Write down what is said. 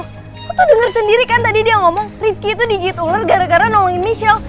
lu tuh denger sendiri kan tadi dia ngomong rizky tuh digigit ular gara gara nolongin michelle